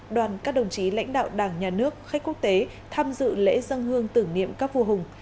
đoàn các đồng chí lãnh đạo đảng nhà nước khách quốc tế tham dự lễ dân hương tưởng niệm các vua hùng